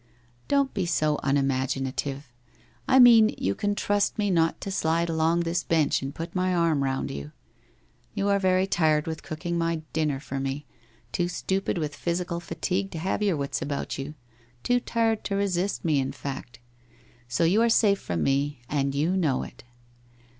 ' Don't be so unimaginative ! I mean, you can trust me not to sidle along this bench and put my arm round you. You are very tired with cooking my dinner for me, too stupid with physical fatigue to have your wits about you, too tired to resist me, in fact! So you are safn from mo. and you know it.'